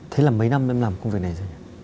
thế là mấy năm em làm công việc này rồi